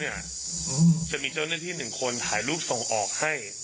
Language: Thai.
นี่นี่นี่นี่นี่นี่นี่